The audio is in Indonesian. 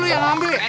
lu yang ambil ya